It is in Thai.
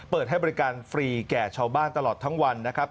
เปิดให้บริการฟรีแก่ชาวบ้านตลอดทั้งวันนะครับ